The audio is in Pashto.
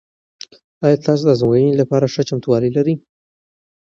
آیا تاسو د ازموینې لپاره ښه چمتووالی لرئ؟